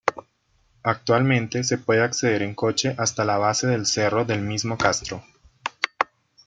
Actualmente se puede acceder en coche hasta la base del cerro del mismo castro.